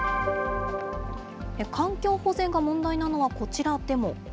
環境保全が問題なのは、こちらでも。